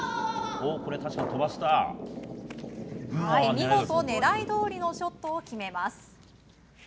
見事、狙いどおりのショットを決めます。